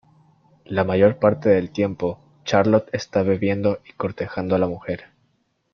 La mayor parte del tiempo Charlot está bebiendo y cortejando a la mujer.